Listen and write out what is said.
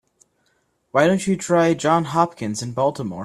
Why don't you try Johns Hopkins in Baltimore?